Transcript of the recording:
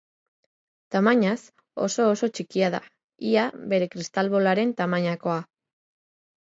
Tamainaz oso-oso txikia da, ia bere kristal bolaren tamainakoa.